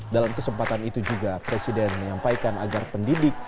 dalam kesempatan itu juga presiden menyampaikan agar pendidik